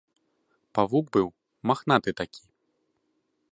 Павук быў, махнаты такі.